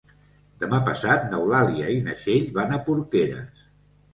Demà passat n'Eulàlia i na Txell van a Porqueres.